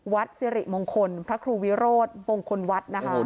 สิริมงคลพระครูวิโรธมงคลวัดนะคะ